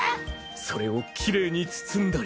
それをきれいに包んだり。